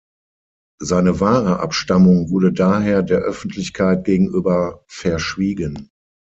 Seine wahre Abstammung wurde daher der Öffentlichkeit gegenüber verschwiegen.